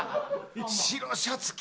白シャツ着